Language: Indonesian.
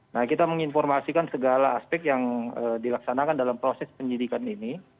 nah kita menginformasikan segala aspek yang dilaksanakan dalam proses penyidikan ini